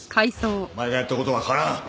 お前がやった事は変わらん！